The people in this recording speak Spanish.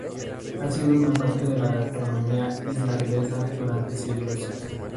Ha sido una parte de la gastronomía islandesa durante siglos.